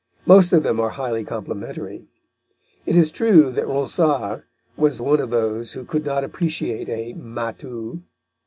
Most of them are highly complimentary. It is true that Ronsard was one of those who could not appreciate a "matou."